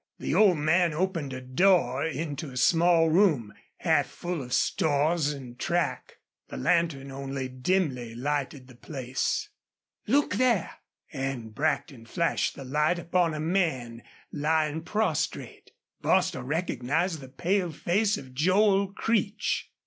The old man opened a door into a small room, half full of stores and track. The lantern only dimly lighted the place. "Look thar!" And Brackton flashed the light upon a man lying prostrate. Bostil recognized the pale face of Joel Creech.